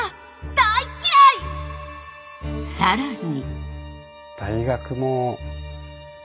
更に。